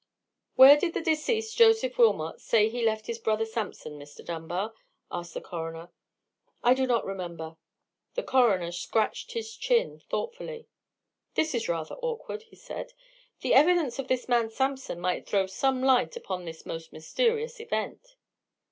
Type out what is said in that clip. "Where did the deceased Joseph Wilmot say he left his brother Sampson, Mr. Dunbar?" asked the coroner. "I do not remember." The coroner scratched his chin, thoughtfully. "That is rather awkward," he said; "the evidence of this man Sampson might throw some light upon this most mysterious event."